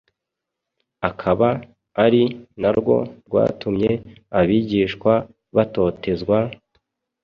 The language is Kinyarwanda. akaba ari narwo rwatumye abigishwa batotezwa,